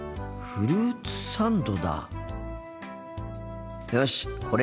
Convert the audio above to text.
フルーツサンド。